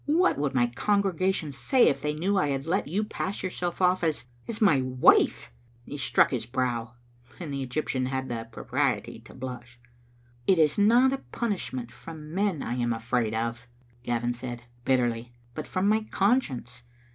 what would my congregation say if they knew I had let you pass yourself oflE as — as my ^ife?" He struck his brow, and the Egyptian had the pro priety to blush. " It is not the punishment from men I am afraid of," Gavin said, bitterly, "but from my conscience.